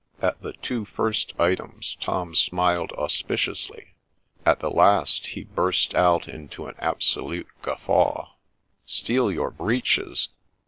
At the two first items Tom smiled auspiciously ;— at the last he burst out into an absolute ' guffaw.' ' Steal your breeches